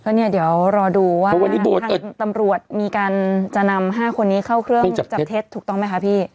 เพราะเนี้ยเดี๋ยวรอดูว่าตำรวจมีการจะนำห้าคนนี้เข้าเครื่องจับเท็จถูกต้องไหมคะพี่